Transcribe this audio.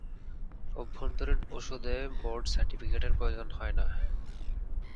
অভ্যন্তরীণ ঔষধে বোর্ড সার্টিফিকেটের প্রয়োজন হয় না।